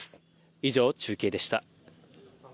以上、中継でした。